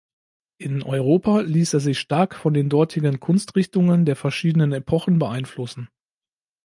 In Europa ließ er sich stark von den dortigen Kunstrichtungen der verschiedenen Epochen beeinflussen.